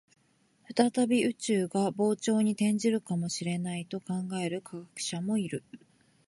再び宇宙が膨張に転じるかもしれないと考える科学者もいる